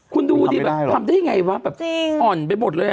คุณดูดิทำได้ยังไงวะอ่อนไปหมดเลยอะ